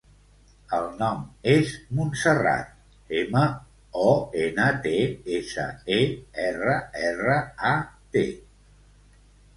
El nom és Montserrat: ema, o, ena, te, essa, e, erra, erra, a, te.